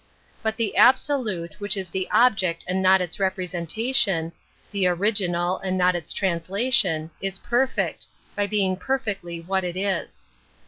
But the \ absolute, which is the object and not its representation, the original and not its I I 4 6 An Introduction to translation, is perfect, by being perfectly what it is.